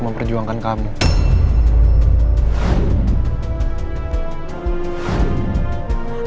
harus jadi sama mungkin